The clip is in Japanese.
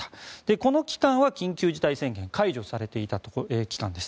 この期間は緊急事態宣言解除されていた期間です。